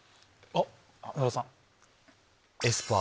あっ野田さん。